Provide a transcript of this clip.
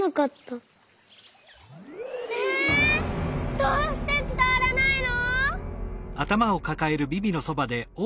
どうしてつたわらないの？